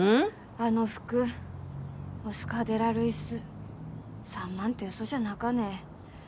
あの服オスカー・デ・ラ・ルイス３万ってウソじゃなかね？